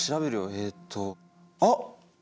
えっとあっ！